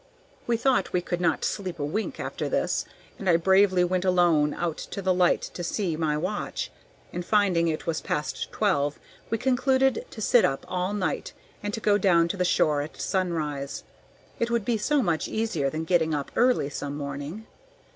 We thought we could not sleep a wink after this, and I bravely went alone out to the light to see my watch, and, finding it was past twelve, we concluded to sit up all night and to go down to the shore at sunrise, it would be so much easier than getting up early some morning.